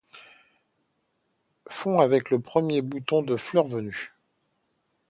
Font avec le premier bouton de fleur venu